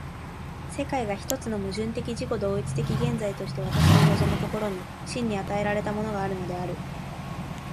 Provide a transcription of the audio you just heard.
世界が一つの矛盾的自己同一的現在として私に臨む所に、真に与えられたものがあるのである。